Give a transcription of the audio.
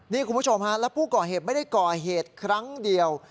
นี่คุณผู้ชมฮะแล้วผู้ก่อเหตุไม่ได้ก่อเหตุครั้งเดียว